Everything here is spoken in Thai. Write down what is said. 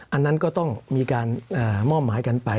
อันนั้นก็ต้องมีการมอบหมายกันไป